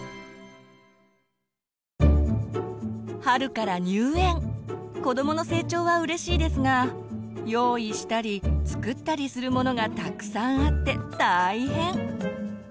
春から入園子どもの成長はうれしいですが用意したり作ったりするものがたくさんあって大変。